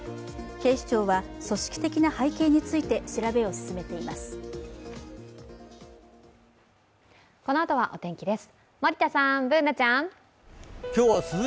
警視庁は組織的な背景について調べを進めています。